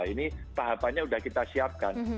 ini tahapannya sudah kita siapkan